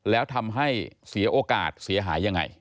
แล้วทำให้เสียโอกาสเสียหายยังไง